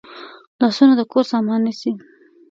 لاسونه د کور سامان نیسي